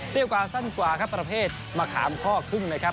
กว่าสั้นกว่าครับประเภทมะขามข้อครึ่งนะครับ